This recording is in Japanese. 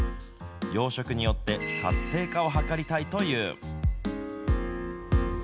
養殖によって、活性化を図りたいという。